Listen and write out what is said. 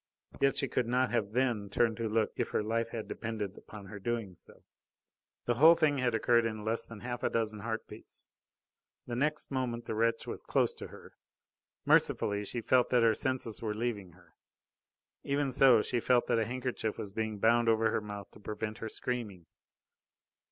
Yet she could not have then turned to look if her life had depended upon her doing so. The whole thing had occurred in less than half a dozen heart beats. The next moment the wretch was close to her. Mercifully she felt that her senses were leaving her. Even so, she felt that a handkerchief was being bound over her mouth to prevent her screaming.